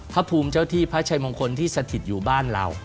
พระภูมิเจ้าที่พระชัยมงคลที่สถิตอยู่บ้านเรา